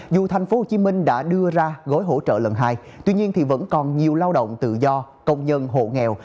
dù tp hcm đã đưa ra gói hỗ trợ lần hai tuy nhiên vẫn còn nhiều lao động tự do công nhân hộ nghèo